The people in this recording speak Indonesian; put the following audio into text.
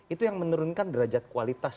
itu yang menurunkan derajat kualitas